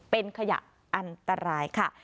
เป็นขยะอันตรายค่ะ